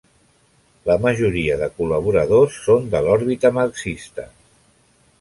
La majoria de col·laboradors són de l'òrbita marxista.